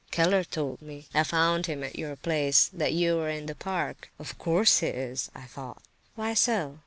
"Keller told me (I found him at your place) that you were in the park. 'Of course he is!' I thought." "Why so?"